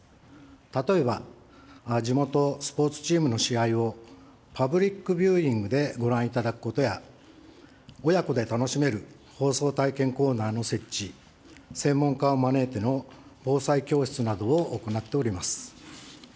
例えば、地元スポーツチームの試合をパブリックビューイングでご覧いただくことや、親子で楽しめる放送体験コーナーの設置、専門家を招いての防災教室などを行っております。